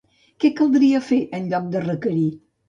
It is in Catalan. Què caldria fer, en lloc de requerir?